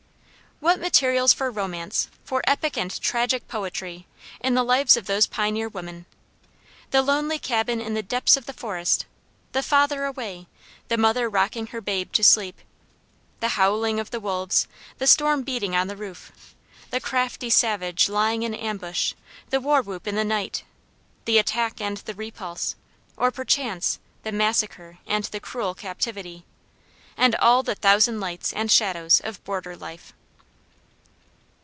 What materials for romance for epic and tragic poetry in the lives of those pioneer women! The lonely cabin in the depths of the forest; the father away; the mother rocking her babe to sleep; the howling of the wolves; the storm beating on the roof; the crafty savage lying in ambush; the war whoop in the night; the attack and the repulse; or perchance the massacre and the cruel captivity; and all the thousand lights and shadows of border life!